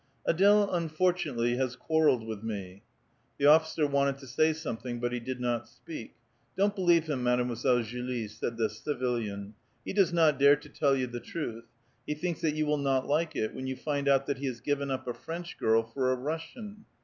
" Ad^le unfortunately has quarrelled with me." The officer wanted to say something, but he did not speak. " Don't believe him, Mademoiselle Julie," said the civilian. " He does not dare to tell you the truth ; he thinks that you will not like it when you find out that he has given up a French girl for a Russian."